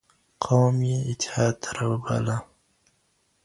قوم یې اتحاد ته راوباله